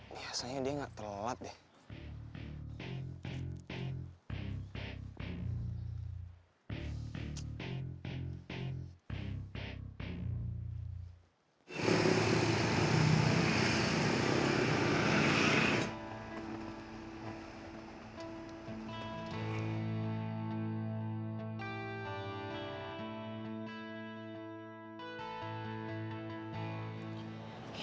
biasanya dia nggak telat deh